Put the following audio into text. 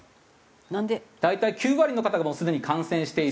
なんで？大体９割の方がもうすでに感染している。